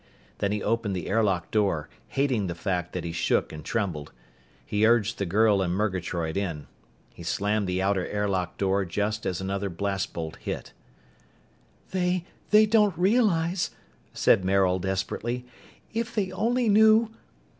Then he opened the airlock door, hating the fact that he shook and trembled. He urged the girl and Murgatroyd in. He slammed the outer airlock door just as another blast bolt hit. "They they don't realize," said Maril desperately. "If they only knew...."